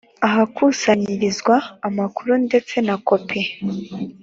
ahakusanyirizwa amakuru ndetse na kopi